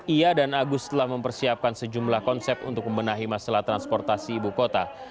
ia dan agus telah mempersiapkan sejumlah konsep untuk membenahi masalah transportasi ibu kota